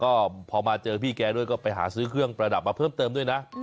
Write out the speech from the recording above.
ก็พอมาเจอพี่แกด้วยก็ไปหาซื้อเครื่องประดับมาเพิ่มเติมด้วยนะ